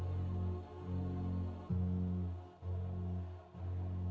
jenderal sudirman menerima pembunuhan dari jenderal jogjakarta